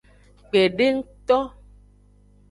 Kpedengto.